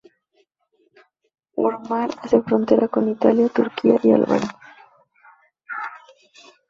Por mar hace frontera con Italia, Turquía y Albania.